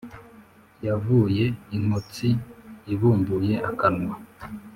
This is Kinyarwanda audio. wavuye inkotsi ibumbuye akanwa